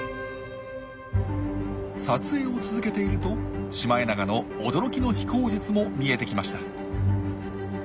撮影を続けているとシマエナガの驚きの飛行術も見えてきました。